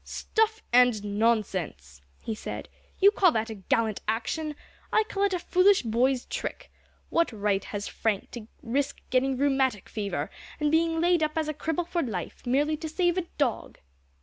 "Stuff and nonsense!" he said. "You call that a gallant action? I call it a foolish boy's trick. What right has Frank to risk getting rheumatic fever, and being laid up as a cripple for life, merely to save a dog?"